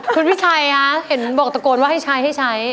คุณพี่ชัยเห็นบอกตะโกนว่าให้ใช้